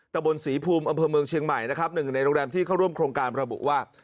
ตะบนศรีภูมิอำเภอเมืองเชียงใหม่นะครับหนึ่งในโรงแรมที่เข้าร่วมโครงการระบุว่า